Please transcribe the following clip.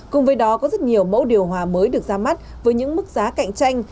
cùng với đó có rất nhiều mẫu điều hòa mới được ra mắt với những mức giá cạnh tranh